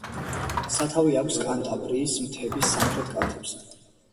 სათავე აქვს კანტაბრიის მთების სამხრეთ კალთებზე.